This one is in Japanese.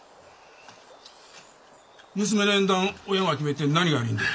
娘の縁談親が決めて何が悪いんだ。